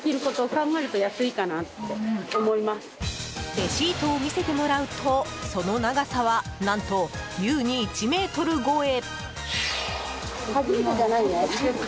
レシートを見せてもらうとその長さは、何と優に１ｍ超え！